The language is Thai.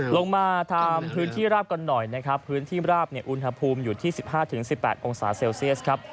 ลงมาทำพื้นที่ราบกันหน่อยนะครับพื้นที่ราบอุณหภูมิอยู่ที่๑๕๑๘องศาเซลเซียสครับ